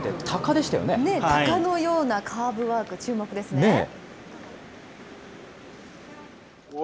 タカのようなカーブワーク、注目ですね。